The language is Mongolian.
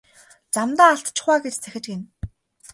Замдаа алдчихав аа гэж захиж гэнэ.